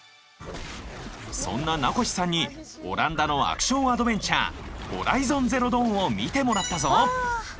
そんな名越さんにオランダのアクションアドベンチャー「ＨＯＲＩＺＯＮＺＥＲＯＤＡＷＮ」を見てもらったぞ！